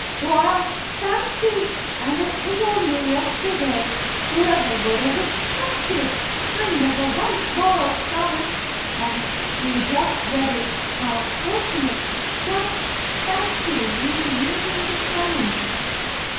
"Why! Fancy! And it was only yesterday! Whoever would have expected! I never was more astonished! And tea just ready! How fortunate! Just fancy you meeting the Canon!"